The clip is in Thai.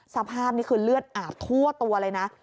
สภาพนี้คือเลือดอาบทั่วตัวเลยนะ